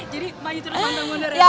jadi maju terus patah mundur ya